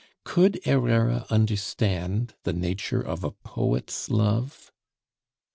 Could Herrera understand the nature of a poet's love?